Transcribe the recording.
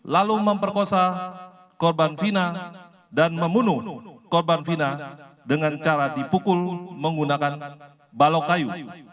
lalu memperkosa korban fina dan membunuh korban fina dengan cara dipukul menggunakan balok kayu